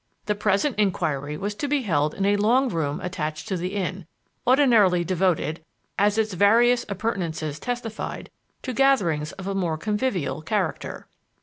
The present inquiry was to be held in a long room attached to the inn, ordinarily devoted, as its various appurtenances testified, to gatherings of a more convivial character.